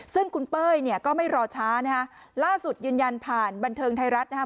ซึ่งคุณเป้ยเนี่ยก็ไม่รอช้านะฮะล่าสุดยืนยันผ่านบันเทิงไทยรัฐนะครับ